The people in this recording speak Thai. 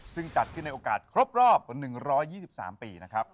ซึ่งจัดขึ้นในโอกาสครบรอบ๑๒๓ปีนะครับ